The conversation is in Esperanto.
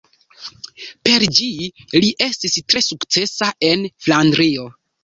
Per ĝi li estis tre sukcesa en Flandrio.